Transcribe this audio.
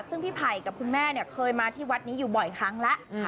ซึ่งพี่ไผ่กับคุณแม่เนี่ยเคยมาที่วัดนี้อยู่บ่อยครั้งแล้ว